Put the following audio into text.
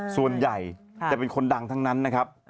ส่วนใหญ่จะเป็นคนดังทั้งนั้นนะครับ